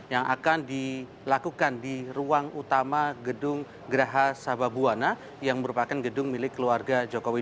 yang akan dilakukan di ruang utama gedung geraha sababwana yang merupakan gedung milik keluarga jokowi